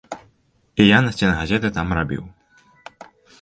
Я і насценгазеты там рабіў.